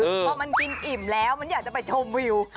พอมันกินอิ่มแล้วมันอยากจะไปชมวิว